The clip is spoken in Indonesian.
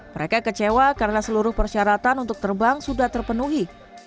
mereka kecewa karena seluruh persyaratan untuk terbang sudah terpenuhi